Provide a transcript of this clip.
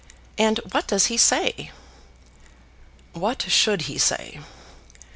"And what does he say?" "What should he say?